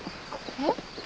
えっ？